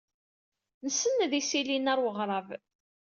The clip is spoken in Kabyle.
Nsenned isili-nni ɣer weɣrab.